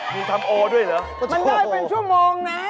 มีทำโอด้วยเหรอมันได้เป็นชั่วโมงนะ